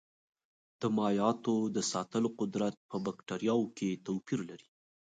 د مایعاتو د ساتلو قدرت په بکټریاوو کې توپیر لري.